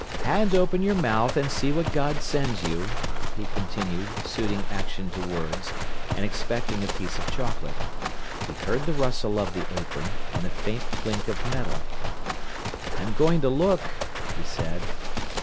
"And open your mouth, and see what God sends you," he continued, suiting action to words, and expecting a piece of chocolate. He heard the rustle of the apron, and a faint clink of metal. "I'm going to look," he said.